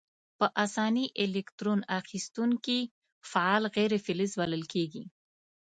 په آساني الکترون اخیستونکي فعال غیر فلز بلل کیږي.